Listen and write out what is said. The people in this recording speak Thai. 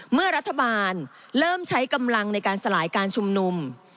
เมื่อรัฐบาลเริ่มใช้กำลังในการสลายการชุมนุม